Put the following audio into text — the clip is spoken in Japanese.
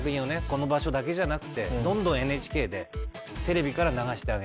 この場所だけじゃなくてどんどんＮＨＫでテレビから流してあげてほしいなと思います。